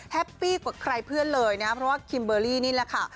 ปี้กว่าใครเพื่อนเลยนะเพราะว่าคิมเบอร์รี่นี่แหละค่ะ